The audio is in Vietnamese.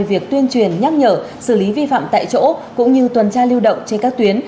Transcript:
việc tuyên truyền nhắc nhở xử lý vi phạm tại chỗ cũng như tuần tra lưu động trên các tuyến